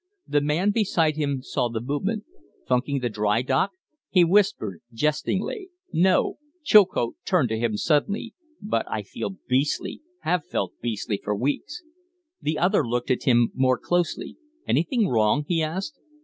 The man beside him saw the movement. "Funking the drydock?" he whispered, jestingly. "No" Chilcote turned to him suddenly "but I feel beastly have felt beastly for weeks." The other looked at him more closely. "Anything wrong?" he asked.